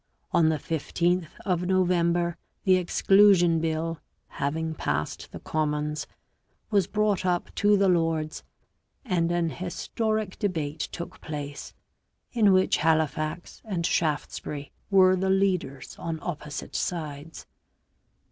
On the 15th of November the Exclusion Bill, having passed the Commons, was brought up to the Lords, and an historic debate took place, in which Halifax and Shaftesbury were the leaders on opposite sides.